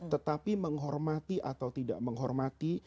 tetapi menghormati atau tidak menghormati